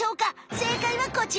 正解はこちら！